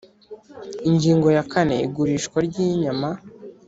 Ingingo ya kane Igurishwa ry inyama